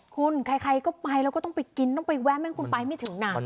คนคนเค้าไปก็ต้องไปกินเองจัดคำไม่ถึงนาน